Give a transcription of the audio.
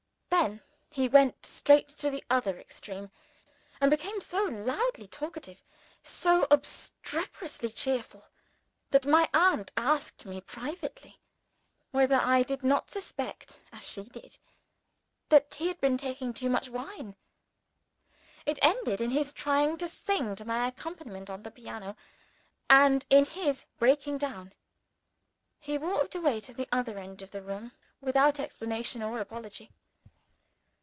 Then he went straight to the other extreme, and became so loudly talkative, so obstreperously cheerful, that my aunt asked me privately whether I did not suspect (as she did) that he had been taking too much wine. It ended in his trying to sing to my accompaniment on the piano, and in his breaking down. He walked away to the other end of the room without explanation or apology.